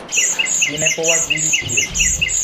Ni ne povas vivi tiel.